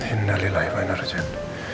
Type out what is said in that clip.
innalillah iman arjan